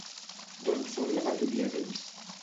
D'on són la majoria d'ells?